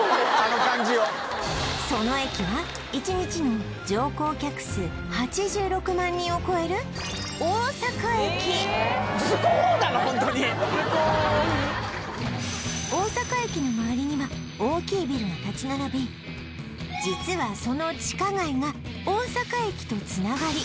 その駅はを超えるズコーッ大阪駅の周りには大きいビルが立ち並び実はその地下街が大阪駅とつながり